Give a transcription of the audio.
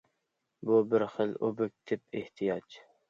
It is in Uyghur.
بۇ بىر خىل ئوبيېكتىپ ئېھتىياج.